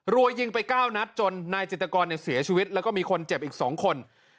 รัวยิงไป๙นัดจนนายจิตกรเสียชีวิตแล้วก็มีคนเจ็บอีก๒คน